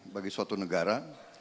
bagi suatu negara